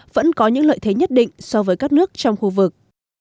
vẫn có những lợi thế nhất định so với các nước trong khu vực